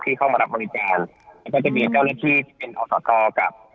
เข้ามารับบริการแล้วก็จะมีเจ้าหน้าที่ที่เป็นอศกกับ